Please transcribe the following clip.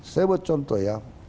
saya buat contoh ya